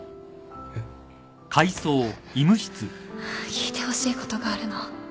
聞いてほしいことがあるの。